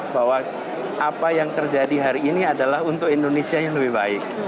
bahwa apa yang terjadi hari ini adalah untuk indonesia yang lebih baik